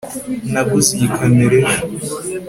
naguze iyi kamera ejo